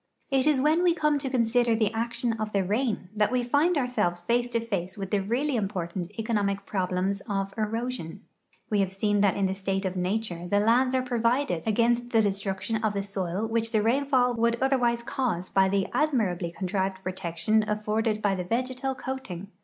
It is when we come to consider the action of the rain that we find ourselves face to face with the really important economic ])rohlems of erosion. ^Ve have seen that in the state of nature the lands are provided against the destruction of tlie soil which the rainfall would otherwise cause b\' the admirably contrived ]>rotection afforded by the vegetal coating.